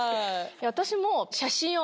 私も。